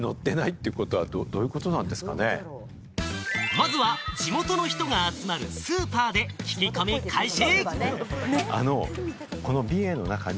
まずは地元の人が集まるスーパーで聞き込み開始。